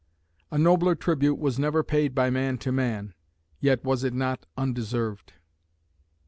A nobler tribute was never paid by man to man, yet was it not undeserved.